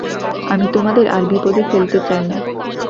আমি তোমাদের আর বিপদে ফেলতে চাই না।